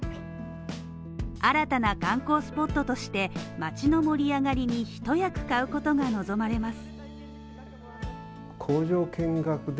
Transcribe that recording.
新たな観光スポットとして、町の盛り上がりに一役買うことが望まれます。